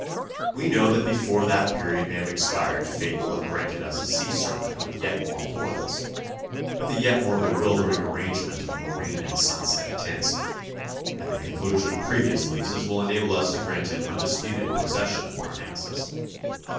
We know that before that period may have expired fate will have granted us a sea serpent with yet more coils, with a 325 16 226 THE BIOGRAPHY OF A SUPERMAN yet more bewildering arrangement of marine and sunset tints, and the conclusion of previous leases will enable us to grant him undisputed possession of Parnassus.